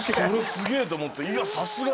すげぇ！と思って。